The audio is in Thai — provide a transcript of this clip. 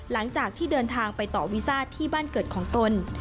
หลังจากที่เดินทางไปต่อวีซ่าที่บ้านเกิดของตน